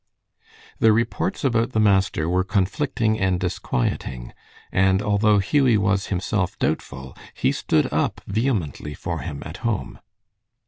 The reports about the master were conflicting and disquieting, and although Hughie was himself doubtful, he stood up vehemently for him at home.